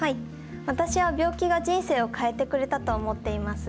私は病気が人生を変えてくれたと思っています。